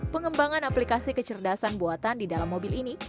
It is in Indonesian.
pengembangan aplikasi kecerdasan buatan di dalam mobil ini